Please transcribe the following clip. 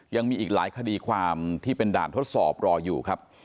ยังมีอีกหลายคดีความที่เป็นด่านทดสอบรออยู่ครับ